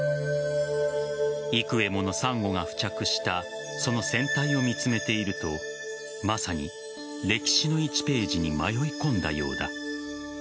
幾重ものサンゴが付着したその船体を見つめているとまさに歴史の１ページに迷い込んだようだ。